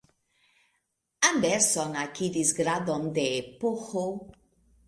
Anderson akiris gradon de Ph.